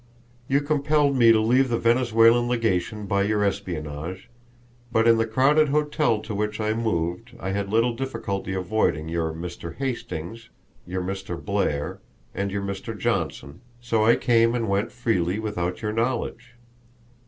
"You compelled me to leave the Venezuelan legation by your espionage, but in the crowded hotel to which I moved I had little difficulty avoiding your Mr. Hastings, your Mr. Blair and your Mr. Johnson, so I came and went freely without your knowledge.